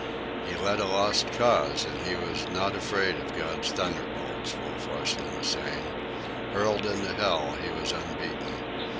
"He led a lost cause, and he was not afraid of God's thunderbolts," Wolf Larsen was saying. "Hurled into hell, he was unbeaten.